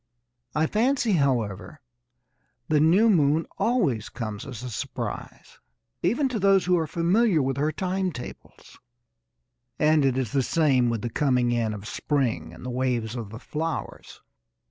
I fancy, however, the new moon always comes as a surprise even to those who are familiar with her time tables. And it is the same with the coming in of spring and the waves of the flowers.